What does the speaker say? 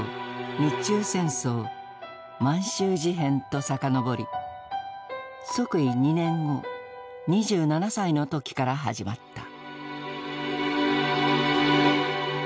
日中戦争満州事変と遡り即位２年後２７歳の時から始まった。